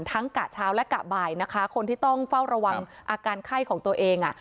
กะเช้าและกะบ่ายนะคะคนที่ต้องเฝ้าระวังอาการไข้ของตัวเองอ่ะ